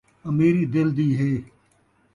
امیری دل دی ہے